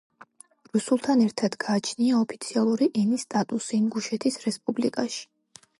რუსულთან ერთად გააჩნია ოფიციალური ენის სტატუსი ინგუშეთის რესპუბლიკაში.